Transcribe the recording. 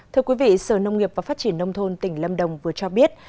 thưa quý vị sở nông nghiệp và phát triển nông thôn tỉnh lâm đồng vừa cho biết